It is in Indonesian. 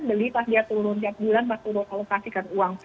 beli pas dia turun tiap bulan pas turun alokasikan uang